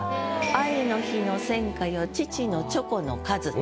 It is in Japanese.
「愛の日の戦果よ父のチョコの数」って。